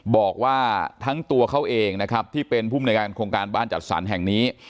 บอกว่าทั้งตัวเขาเองนะครับที่เป็นภูมิในการโครงการบ้านจัดสรรแห่งนี้